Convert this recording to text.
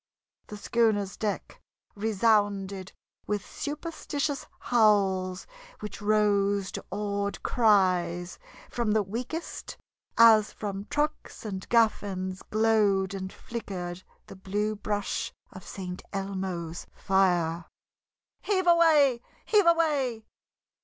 The schooner's deck resounded with superstitious howls, which rose to awed cries from the weakest as from trucks and gaff ends glowed and flickered the blue brush of St. Elmo's fire. "Heave away, heave away!"